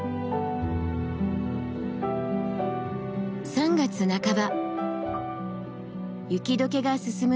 ３月半ば雪解けが進む中